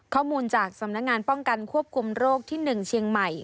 ข้อมูลจากสำนักงานป้องกันควบคุมโรคที่๑เชียงใหม่